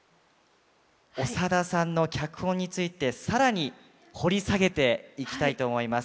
長田さんの脚本について更に掘り下げていきたいと思います。